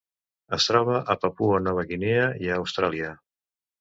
Es troba a Papua Nova Guinea i a Austràlia.